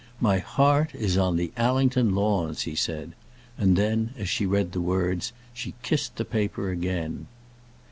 "My heart is on the Allington lawns," he said; and then, as she read the words, she kissed the paper again.